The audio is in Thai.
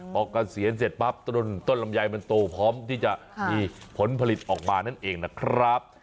พอเกษียณเสร็จปั๊บต้นลำไยมันโตพร้อมที่จะมีผลผลิตออกมานั่นเองนะครับ